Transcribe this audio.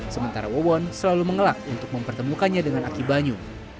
sementara wawon selalu mengelak untuk mempertemukannya dengan aki banyu